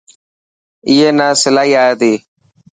اي نا سلائي آئي تي.